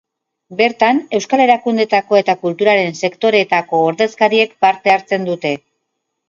Bertan, euskal erakundeetako eta kulturaren sektoreetako ordezkariek parte hartzen dute.